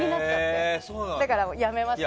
だから、やめました。